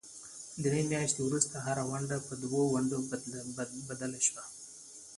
درې میاشتې وروسته هره ونډه پر دوو ونډو بدله شوه.